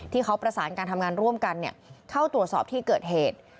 ที่เขาประสานการทำงานร่วมกันเข้าตรวจสอบที่เกิดเหตุ